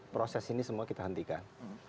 proses ini semua kita hentikan